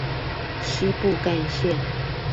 西部幹線